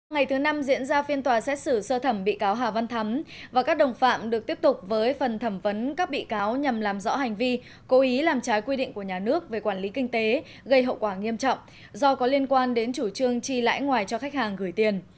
ngày thứ năm diễn ra phiên tòa xét xử sơ thẩm bị cáo hà văn thắm và các đồng phạm được tiếp tục với phần thẩm vấn các bị cáo nhằm làm rõ hành vi cố ý làm trái quy định của nhà nước về quản lý kinh tế gây hậu quả nghiêm trọng do có liên quan đến chủ trương chi lãi ngoài cho khách hàng gửi tiền